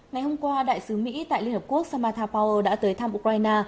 ngày hôm qua đại sứ mỹ tại liên hợp quốc samata power đã tới thăm ukraine